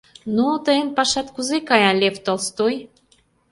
Ну, тыйын пашат кузе кая, Лев Толстой?